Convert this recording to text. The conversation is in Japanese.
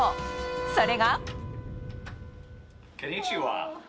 それが。